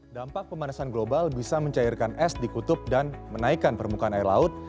dampak pemanasan global bisa mencairkan es di kutub dan menaikkan permukaan air laut